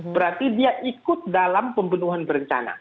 berarti dia ikut dalam pembunuhan berencana